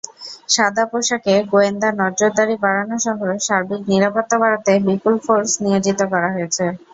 সাদাপোশাকে গোয়েন্দা নজরদারি বাড়ানোসহ সার্বিক নিরাপত্তা বাড়াতে বিপুল ফোর্স নিয়োজিত করা হয়েছে।